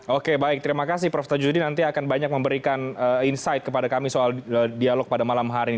oke baik terima kasih prof tajudin nanti akan banyak memberikan insight kepada kami soal dialog pada malam hari ini